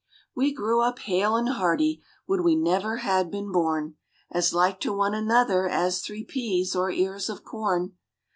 We grew up hale and hearty would we never had been born! As like to one another as three peas, or ears of corn.